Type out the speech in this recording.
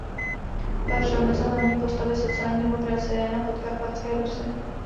Patřil mezi hlavní postavy sociální demokracie na Podkarpatské Rusi.